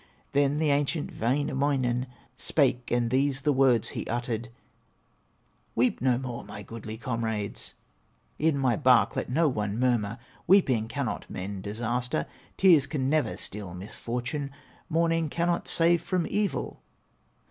Then the ancient Wainamoinen Spake and these the words he uttered: "Weep no more, my goodly comrades, In my bark let no one murmur; Weeping cannot mend disaster, Tears can never still misfortune, Mourning cannot save from evil.